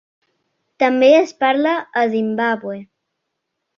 També es parla a Zimbàbue.